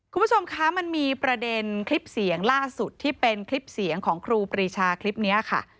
คุณผู้ชมคะมันมีประเด็นคลิปเสียงล่าสุดที่เป็นคลิปเสียงของครูปรีชาคลิปนี้ค่ะ